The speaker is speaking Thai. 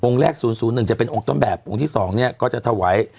แรก๐๐๑จะเป็นองค์ต้นแบบองค์ที่๒เนี่ยก็จะถวาย